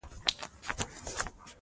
د نورو هېوادونو حاجیانو لپاره تعمیر و.